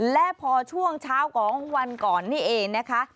และพอช่วงเช้าของวันก่อนนี่เองนะคะ